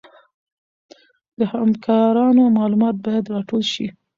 د همکارانو معلومات باید راټول شي.